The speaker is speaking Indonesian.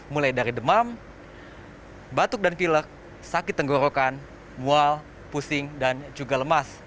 mulai dari demam batuk dan pilek sakit tenggorokan mual pusing dan juga lemas